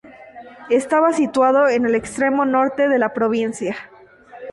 Estaba situado en el extremo norte de la provincia.